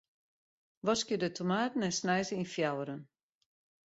Waskje de tomaten en snij se yn fjouweren.